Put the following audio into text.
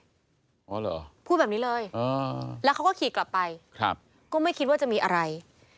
อ๋อเหรอพูดแบบนี้เลยแล้วเขาก็ขี่กลับไปครับก็ไม่คิดว่าจะมีอะไร